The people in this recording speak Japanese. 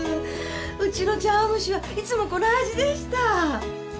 うちの茶碗蒸しはいつもこの味でした。